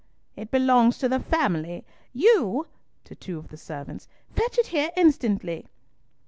"It belongs to the family. You," to two of the servants, "fetch it here instantly!"